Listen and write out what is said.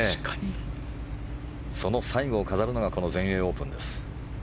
その最後を飾るのがこの全英オープンです。